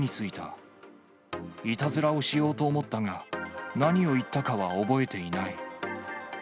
いたずらをしようと思ったが、何を言ったかは覚えていない。